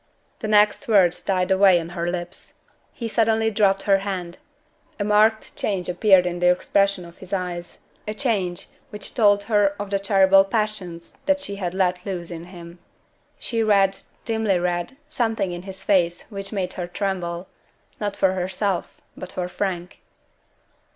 The next words died away on her lips. He suddenly dropped her hand. A marked change appeared in the expression of his eyes a change which told her of the terrible passions that she had let loose in him. She read, dimly read, something in his face which made her tremble not for herself, but for Frank.